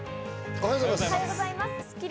おはようございます。